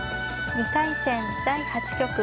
２回戦第８局。